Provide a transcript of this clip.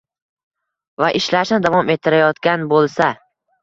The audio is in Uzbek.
va ishlashni davom ettirayotgan bo‘lsa